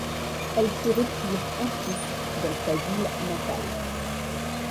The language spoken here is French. Elle se retire ensuite dans sa ville natale.